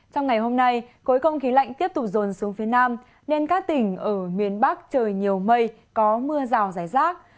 trong ngày hôm nay cối công khí lạnh tiếp tục dồn xuống phía nam nên các tỉnh ở miền bắc trời nhiều mây có mưa rào rải rác